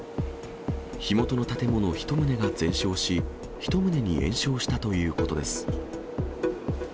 火元の建物１棟が全焼し、１棟に延焼したということです。